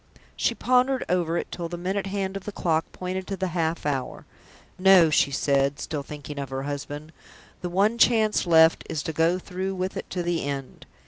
She pondered over it till the minute hand of the clock pointed to the half hour. "No!" she said, still thinking of her husband. "The one chance left is to go through with it to the end.